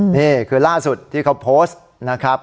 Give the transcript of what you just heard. นี่คือล่าสุดที่เขาโพสต์นะครับ